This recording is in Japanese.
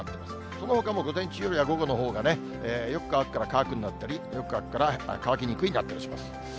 そのほかも午前中よりは、午後のほうがね、よく乾くから乾くになったり、よく乾くから乾きにくいになったりします。